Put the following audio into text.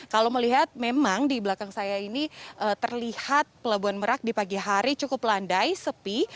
kalau melihat memang di belakang saya ini terlihat pelabuhan merak di pagi hari cukup landai sepi